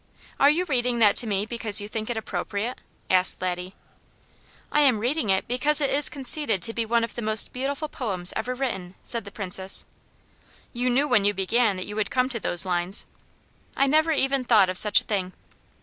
"Are you reading that to me because you think it appropriate?" asked Laddie. "I am reading it because it is conceded to be one of the most beautiful poems ever written," said the Princess. "You knew when you began that you would come to those lines." "I never even thought of such a thing."